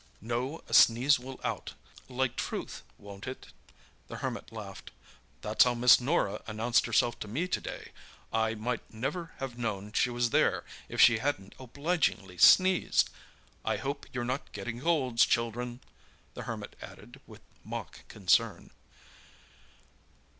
"No, a sneeze will out, like truth, won't it?" the Hermit laughed. "That's how Miss Norah announced herself to me to day. I might never have known she was there if she hadn't obligingly sneezed! I hope. you're not getting colds, children!" the Hermit added, with mock concern.